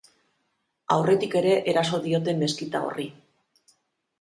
Aurretik ere eraso diote meskita horri.